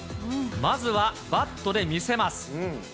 まずはバットで見せます。